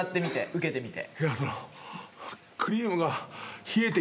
受けてみて。